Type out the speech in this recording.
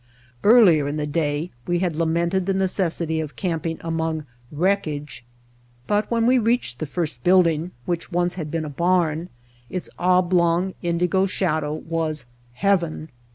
Earlier in the day we had lamented the necessity of camping among wreckage, but when we reached the first building, which once had been a barn, its oblong, indigo shadow was Heaven.